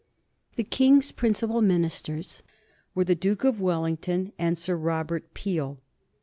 The King's principal ministers were the Duke of Wellington and Sir Robert Peel.